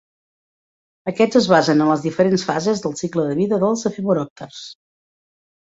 Aquests es basen en les diferents fases del cicle de vida dels efemeròpters.